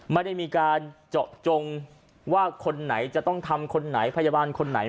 ไม่ได้มีการเจาะจงว่าคนไหนจะต้องทำคนไหนพยาบาลคนไหน